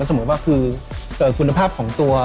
สมมุติว่าคือคุณภาพของตัว